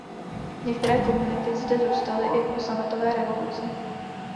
Některé komunity zde zůstaly i po sametové revoluci.